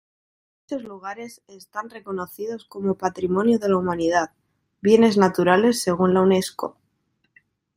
Muchos lugares están reconocidos como Patrimonio de la Humanidad: Bienes naturales según la Unesco.